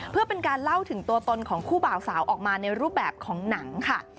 เพื่อเป็นการเล่าถึงตัวตนของคู่บ่าวสาวออกมาในรูปแบบของหนังค่ะ